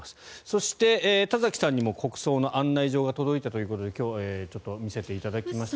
そして、田崎さんにも国葬の案内状が届いたということで今日、見せていただきます。